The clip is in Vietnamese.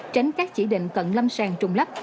tránh các chỉ định cận lâm sàng trùng lấp